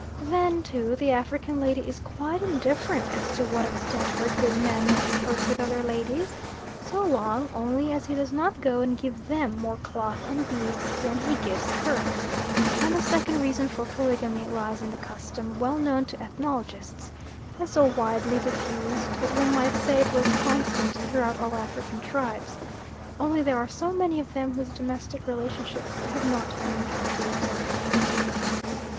Then, too, the African lady is quite indifferent as to what extent her good man may flirt with other ladies so long only as he does not go and give them more cloth and beads than he gives her; and the second reason for polygamy lies in the custom well known to ethnologists, and so widely diffused that one might say it was constant throughout all African tribes, only there are so many of them whose domestic relationships have not been carefully observed.